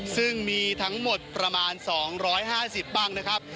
ซึ่งมีทั้งหมดประมาณ๒๕๐บ้างนะครับ